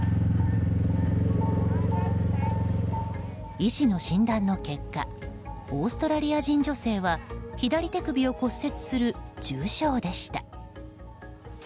医師の診断の結果オーストラリア人女性は左手首を骨折する重傷でした。